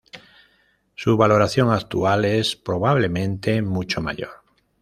Su valoración actual es probablemente mucho mayor.